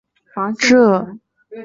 这次地震也称为奥尻岛地震。